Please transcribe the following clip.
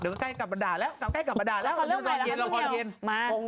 ขอเรื่องใหม่แล้วครับคุณแม่ว